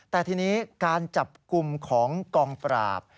แต่ทีนี้การจับกลุ่มของกองปราบ